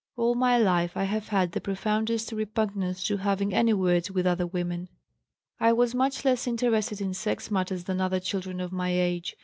All my life I have had the profoundest repugnance to having any 'words' with other women. "I was much less interested in sex matters than other children of my age.